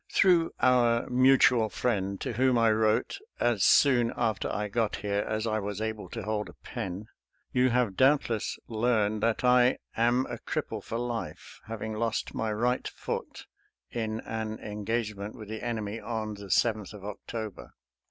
Through " our mutual friend," to whom I wrote as soon after I got here as I was able to hold a pen, you have doubtless learned that I am a cripple for life, having lost my right foot in an engagement with the enemy on the 7th of October.